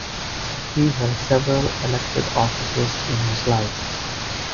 He held several elected offices in his life.